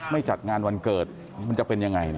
ไม่จัดงานวันเกิดมันจะเป็นอย่างไร